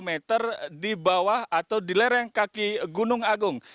tepat dua km di bawah atau di lereng kaki gunung agung